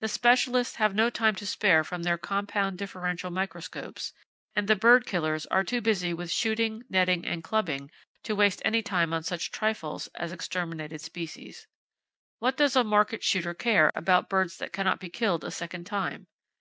The specialists have no time to spare from their compound differential microscopes, and the bird killers are too busy with shooting, netting and clubbing to waste any time on such trifles as exterminated species. What does a market shooter care about birds that can not be killed a second time?